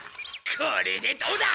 これでどうだ！